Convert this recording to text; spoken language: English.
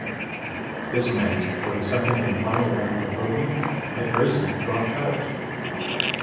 This meant for the second and final round of voting that Gracie dropped out.